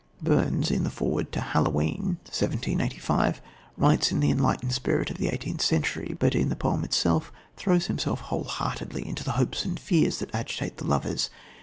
Burns, in the foreword to Halloween (1785), writes in the "enlightened" spirit of the eighteenth century, but in the poem itself throws himself whole heartedly into the hopes and fears that agitate the lovers.